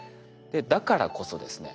だからこそですね